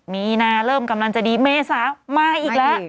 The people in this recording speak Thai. มีนาเริ่มกำลังจะดีเมษามาอีกแล้ว